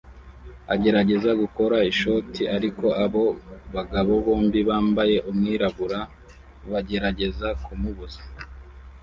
agerageza gukora ishoti ariko abo bagabo bombi bambaye umwirabura bagerageza kumubuza